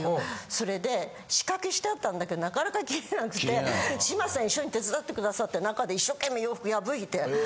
それで仕掛けしてあったんだけどなかなか切れなくて志麻さん一緒に手伝ってくださって中で一生懸命洋服破いて。